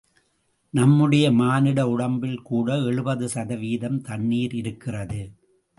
நம்முடைய மானிட உடம்பில்கூட எழுபது சதவிகிதம் தண்ணீர் இருக்கிறது.